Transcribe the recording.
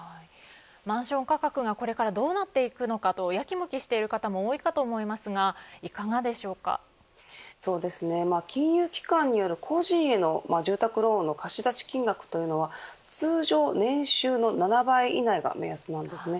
マンション価格がこれからどうなっていくのかとやきもきしている方も多いかと思いますが金融機関による個人への住宅ローンの貸出金額というのは通常年収の７倍以内が目安なんですね。